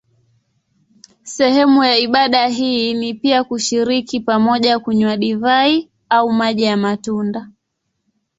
Sehemu ya ibada hii ni pia kushiriki pamoja kunywa divai au maji ya matunda.